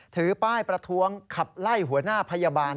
ถือป้ายประท้วงขับไล่หัวหน้าพยาบาล